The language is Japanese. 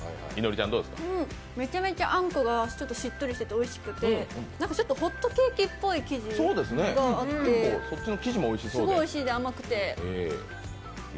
めちゃくちゃあんこがしっとりしてておいしくて、ちょっとホットケーキっぽい生地があってすごいおいしい、甘くて。